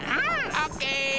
オッケー！